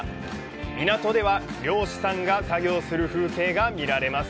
港では漁師さんが作業する風景が見られます。